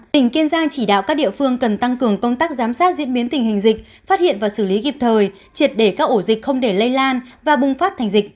tỉnh kiên giang chỉ đạo các địa phương cần tăng cường công tác giám sát diễn biến tình hình dịch phát hiện và xử lý kịp thời triệt để các ổ dịch không để lây lan và bùng phát thành dịch